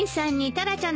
タラちゃん